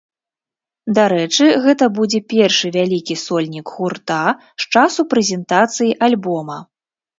Дарэчы, гэта будзе першы вялікі сольнік гурта з часу прэзентацыі альбома.